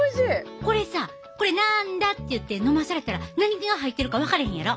これさこれなんだって言って飲まされたら何が入ってるか分からへんやろ。